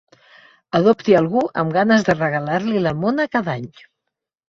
Adopti algú amb ganes de regalar-li la mona cada any.